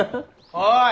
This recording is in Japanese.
おい！